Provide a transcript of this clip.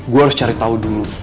gue harus cari tahu dulu